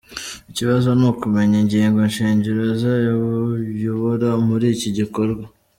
Ikibazo ni ukumenya ingingo shingiro zayobora muri iki gikorwa.